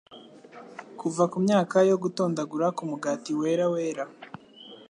kuva mu myaka yo gutondagura kumugati wera wera